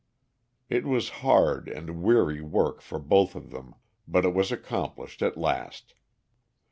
It was hard and weary work for both of them, but it was accomplished at last.